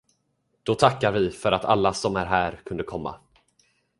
Då tackar vi för att alla som är här kunde komma.